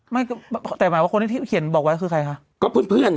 ไม่ก็แต่หมายว่าคนที่เขียนบอกไว้คือใครคะก็เพื่อนเพื่อน